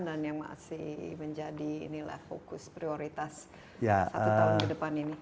dan yang masih menjadi fokus prioritas satu tahun ke depan ini